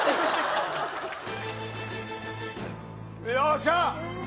よっしゃ！